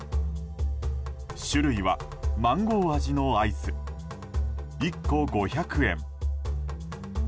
種類はマンゴー味のアイス１個５００円。